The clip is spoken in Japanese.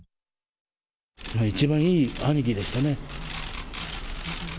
一番いい兄貴でしたね。